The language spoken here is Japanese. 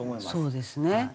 そうですね。